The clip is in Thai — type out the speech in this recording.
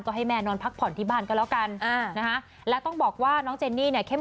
ก็ให้แม่นอนพักผ่อนที่บ้านก็แล้วกันอ่านะคะและต้องบอกว่าน้องเจนนี่เนี่ยเข้ม